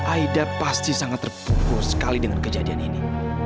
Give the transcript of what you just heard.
aida pasti sangat terpukul sekali dengan kejadian ini